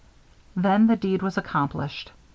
Then the deed was accomplished.